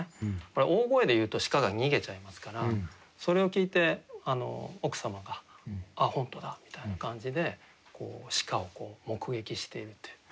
これ大声で言うと鹿が逃げちゃいますからそれを聞いて奥様が「あっ本当だ」みたいな感じで鹿を目撃しているという。